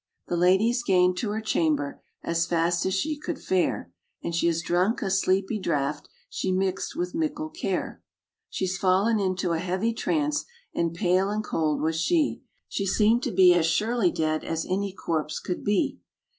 The lady's gane to her chamber As fast as she could fare; And she has drunk a sleepy draught, She mixed wi' mickle care. She's fallen into a heavy trance, And pale and cold was she; She seemed to be as surely dead As any corpse could be.